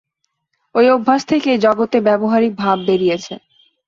ঐ অভ্যাস থেকেই জগতে ব্যবহারিক ভাব বেরিয়েছে।